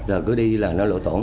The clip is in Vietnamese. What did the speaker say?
rồi cứ đi là nó lộ tổn